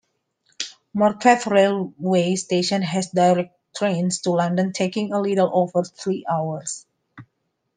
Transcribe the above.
Morpeth railway station has direct trains to London taking a little over three hours.